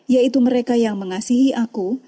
yaitu mereka yang mengasihi aku